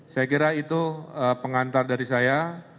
saya kira itu pengantar dari saya